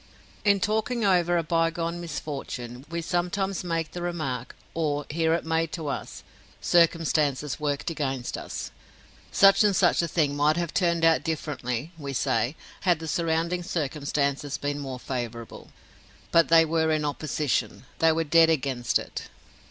In talking over a bygone misfortune, we sometimes make the remark, or hear it made to us, "Circumstances worked against it." Such and such a thing might have turned out differently, we say, had the surrounding circumstances been more favorable, but they were in opposition; they were dead against it.